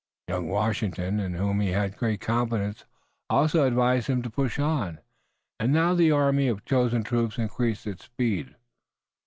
Young Washington, in whom he had great confidence, also advised him to push on, and now the army of chosen troops increased its speed.